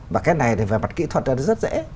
và cái này thì về mặt kỹ thuật là rất dễ